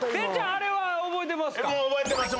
あれは覚えてますか？